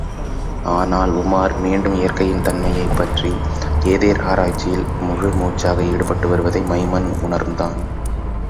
ஆனால், உமார் மீண்டும் இயற்கையின் தன்மையைப்பற்றி ஏதேர் ஆராய்ச்சியில் முழுமூச்சாக ஈடுபட்டு வருவதை மைமன் உணர்ந்தான்.